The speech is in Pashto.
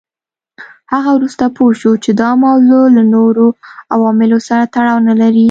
هغه وروسته پوه شو چې دا موضوع له نورو عواملو سره تړاو نه لري.